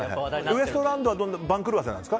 ウエストランドは番狂わせなんですか？